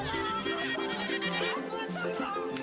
biar aja diantara